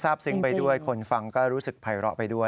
ทราบซึ้งไปด้วยคนฟังก็รู้สึกภัยเหลาะไปด้วย